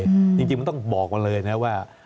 จริงมันต้องบอกกันเลยว่า